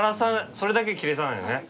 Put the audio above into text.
それだけ切らさないようにね。